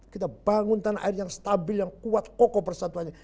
kita bangun tanah air yang stabil yang kuat kokoh persatuannya